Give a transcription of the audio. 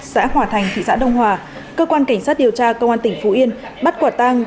xã hòa thành thị xã đông hòa cơ quan cảnh sát điều tra công an tỉnh phú yên bắt quả tang